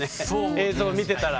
映像見てたら。